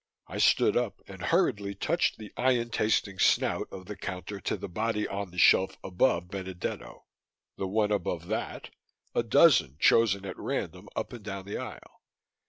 I stood up and hurriedly touched the ion tasting snout of the counter to the body on the shelf above Benedetto, the one above that, a dozen chosen at random up and down the aisle.